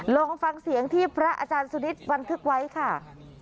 ลองฟังเสียงที่พระอาจารย์สุนิทบันทึกไว้ค่ะ